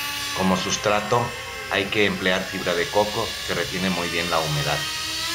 Como sustrato, hay que emplear fibra de coco, que retiene muy bien la humedad.